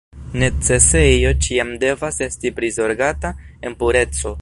Necesejo ĉiam devas esti prizorgata en pureco.